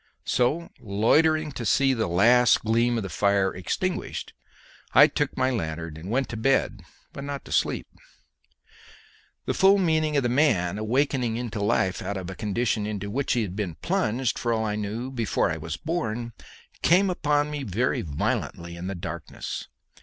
So, loitering to see the last gleam of the fire extinguished, I took my lanthorn and went to bed, but not to sleep. The full meaning of the man awakening into life out of a condition into which he had been plunged, for all I knew, before I was born, came upon me very violently in the darkness.